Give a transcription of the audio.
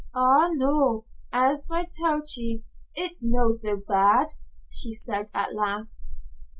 "Ah, noo. As I tell't ye, it's no so bad," she said at last.